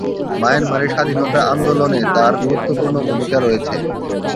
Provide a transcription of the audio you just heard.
মায়ানমারের স্বাধীনতা আন্দোলনে তার গুরুত্বপূর্ণ ভূমিকা রয়েছে।